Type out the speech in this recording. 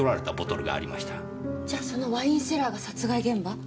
じゃそのワインセラーが殺害現場？